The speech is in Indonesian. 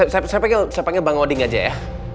saya panggil bang oding aja ya